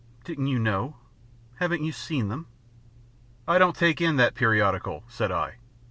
Didn't you know? Haven't you seen them?" "I don't take in that periodical," said I.